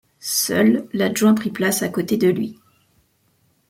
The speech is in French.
Seul, l’adjoint prit place à côté de lui.